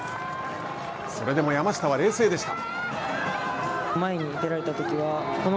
それでも、山下は冷静でした。